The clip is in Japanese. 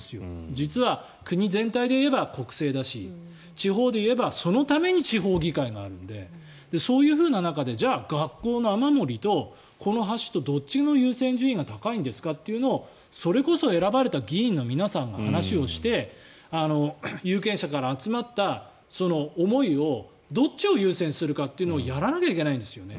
実は国全体で言えば国政だし地方でいえばそのために地方議会があるのでそういうふうな中でじゃあ、学校の雨漏りとこの橋とどっちの優先順位が高いんですかというのはそれこそ選ばれた議員の皆さんが話をして有権者から集まった思いをどっちを優先するかというのをやらなきゃいけないんですよ。